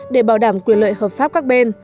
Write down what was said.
để bảo đảm quyền lợi hợp pháp các bên